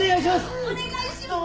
お願いします！